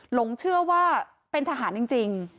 หลงเชื่อว่าเป็นทหารจริง